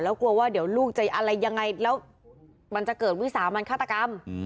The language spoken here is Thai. แล้วกลัวว่าเดี๋ยวลูกจะอะไรยังไงแล้วมันจะเกิดวิสามันฆาตกรรม